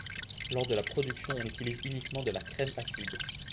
Lors de la production on utilise uniquement de la crème acide.